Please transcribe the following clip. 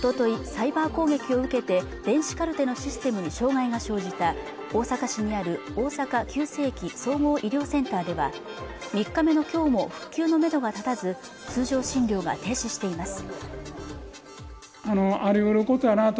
サイバー攻撃を受けて電子カルテのシステムに障害が生じた大阪市にある大阪急性期・総合医療センターでは３日目のきょうも復旧のめどが立たず通常診療が停止しています